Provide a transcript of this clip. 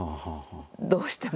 どうしても。